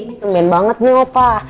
ini tumben banget nih opa